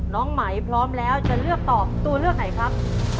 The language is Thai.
น้องไหมพร้อมแล้วจะเลือกตอบตัวเลือกไหนครับ